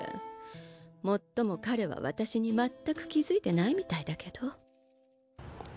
もっともかれは私にまったく気づいてないみたいだけど。